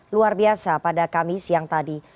luar biasa pada kamis siang tadi